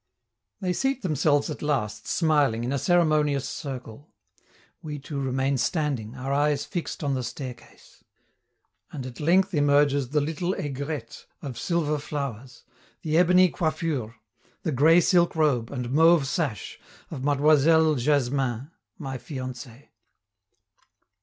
They seat themselves at last, smiling, in a ceremonious circle; we two remaining standing, our eyes fixed on the staircase. And at length emerges the little aigrette of silver flowers, the ebony coiffure, the gray silk robe and mauve sash of Mademoiselle Jasmin, my fiancee!